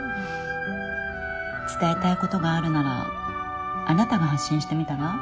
伝えたいことがあるならあなたが発信してみたら？